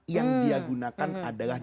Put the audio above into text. yang dia gunakan adalah